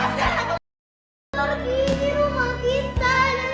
dan aku ada mama